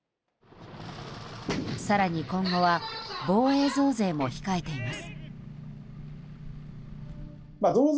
更に今後は防衛増税も控えています。